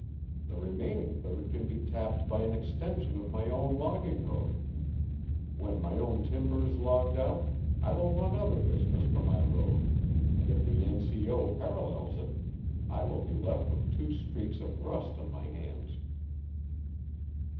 The remaining third can be tapped by an extension of my own logging road; when my own timber is logged out, I will want other business for my road, and if the N.C.O. parallels it, I will be left with two streaks of rust on my hands."